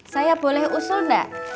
saya boleh usul gak